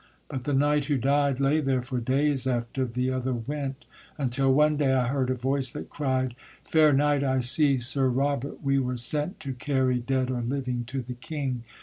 But the knight who died Lay there for days after the other went; Until one day I heard a voice that cried: Fair knight, I see Sir Robert we were sent To carry dead or living to the king.